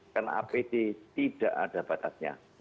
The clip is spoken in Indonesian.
karena apd tidak ada batasnya